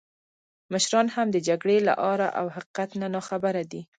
مشران هم د جګړې له آره او حقیقت نه ناخبره دي.